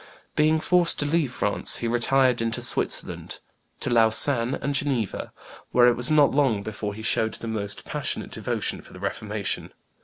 Being forced to leave France, he retired into Switzerland, to Lausanne and Geneva, where it was not long before he showed the most passionate devotion for the Reformation.